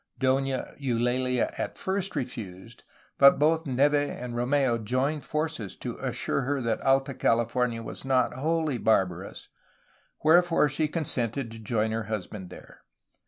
Dona Eulalia at first refused, but both Neve and Rom^u joined forces to assure her that Alta Cahfornia was not wholly barbarous, wherefore she consented to join her husband there.